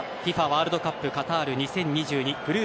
ワールドカップカタール２０２２